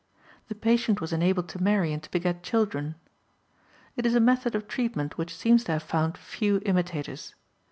The patient was enabled to marry and to beget children. It is a method of treatment which seems to have found few imitators.